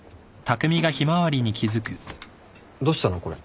どうしたのこれ。